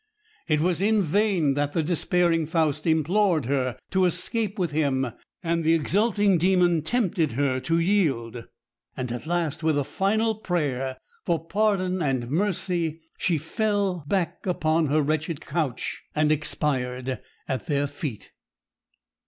It was in vain that the despairing Faust implored her to escape with him, and the exulting Demon tempted her to yield; and at last, with a final prayer for pardon and mercy, she fell back upon her wretched couch, and expired at their feet.